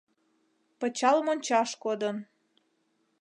Пычал мончаш кодын.